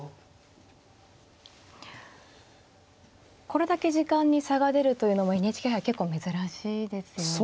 これだけ時間に差が出るというのもＮＨＫ杯結構珍しいですよね。